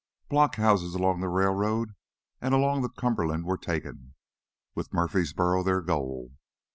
Blockhouses along the railroads and along the Cumberland were taken, with Murfreesboro their goal.